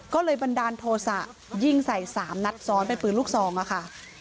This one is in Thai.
ก็เลยบันดาลโทษะยิงใส่๓นัดซ้อนเป็นปืนลูกซองค่ะ